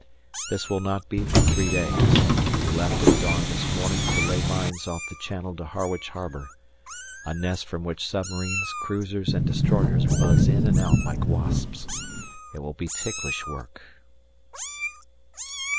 This will not be for three days. We left at dawn this morning to lay mines off the channel to Harwich harbour; a nest from which submarines, cruisers and destroyers buzz in and out like wasps. It will be ticklish work.